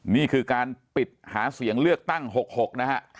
นี่คือการปิดหาเสียงเลือกตั้ง๖๖นะฮะ